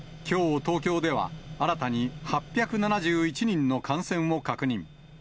きょう、東京では新たに８７１人の感染を確認。